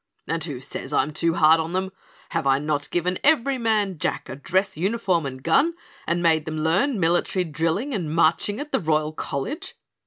And who says I'm too hard on them? Have I not given every man Jack a dress uniform and gun and made them learn military drilling and marching at the Royal College?"